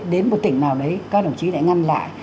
đến một tỉnh nào đấy các đồng chí đã ngăn lại